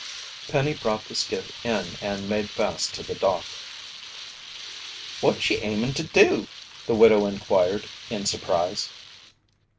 Penny brought the skiff in and made fast to the dock. "What ye aimin' to do?" the widow inquired in surprise.